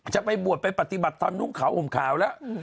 จะไปบวชไปปฏิบัติธรรมนุ่งขาวห่มขาวแล้ว